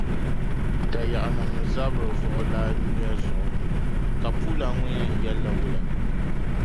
Tayiɣinima n-zabiri vuɣilaa nyuya zuɣu ka puulana ŋun’ yɛn yɛl’la wula?